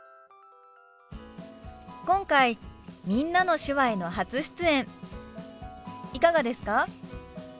今回「みんなの手話」への初出演いかがですか？